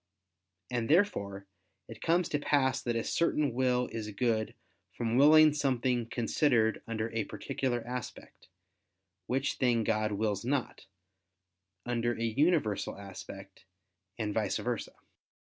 And therefore it comes to pass that a certain will is good from willing something considered under a particular aspect, which thing God wills not, under a universal aspect, and vice versa.